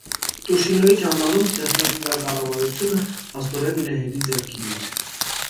Տուշինոյի ճամբարում ստեղծած նրա կառավարությունը փաստորեն լեհերի ձեռքին էր։